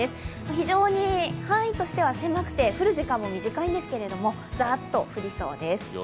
非常に範囲としては狭くて降る時間も短いですが、ザッと降りそうです。